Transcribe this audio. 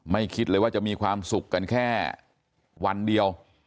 คิดเลยว่าจะมีความสุขกันแค่วันเดียว